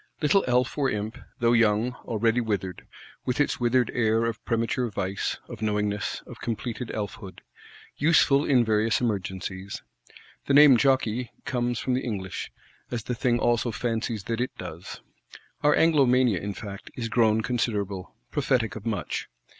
_ Little elf, or imp; though young, already withered; with its withered air of premature vice, of knowingness, of completed elf hood: useful in various emergencies. The name jokei (jockey) comes from the English; as the thing also fancies that it does. Our Anglomania, in fact , is grown considerable; prophetic of much.